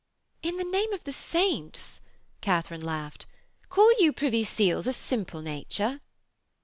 'In the name of the saints,' Katharine laughed, 'call you Privy Seal's a simple nature?'